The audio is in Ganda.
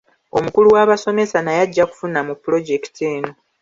Omukulu w'abasomesa naye ajja kufuna mu pulojekiti eno.